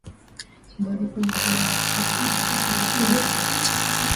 Umaarufu mwingine wa hifadhi hii ni pamoja ya aina ya chatu